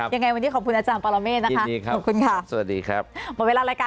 ยังไงวันนี้ขอบคุณอาจารย์ปารเมฆนะคะ